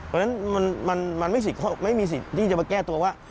เพราะฉะนั้นมันไม่มีสิทธิ์ที่จะมาแก้ตัวว่า